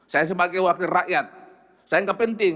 saya sebagai wakil rakyat saya gak penting